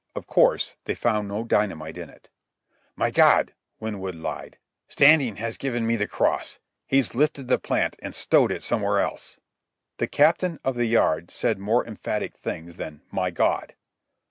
Of course they found no dynamite in it. "My God!" Winwood lied. "Standing has given me the cross. He's lifted the plant and stowed it somewhere else." The Captain of the Yard said more emphatic things than "My God!"